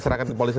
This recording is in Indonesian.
serahkan ke polisi